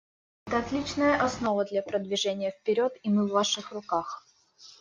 Это отличная основа для продвижения вперед, и мы в Ваших руках.